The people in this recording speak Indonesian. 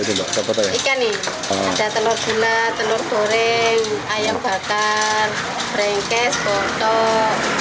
ada telur gula telur goreng ayam bakar berenkes botol